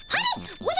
おじゃ。